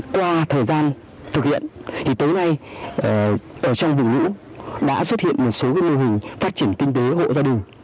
qua thời gian thực hiện tối nay ở trong vùng lũ đã xuất hiện một số mô hình phát triển kinh tế hộ gia đình